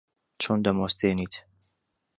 چۆن دەموەستێنیت؟